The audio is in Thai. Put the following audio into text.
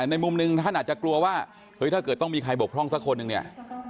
ในมุมหนึ่งท่านอาจจะกลัวว่าเฮ้ยถ้าเกิดต้องมีใครบกพร่องสักคนหนึ่งเนี่ย